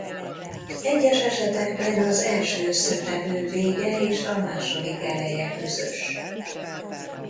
Egyes esetekben az első összetevő vége és a második eleje közös.